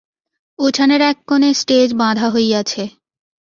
উঠানের এক কোণে স্টেজ বাঁধা হইয়াছে।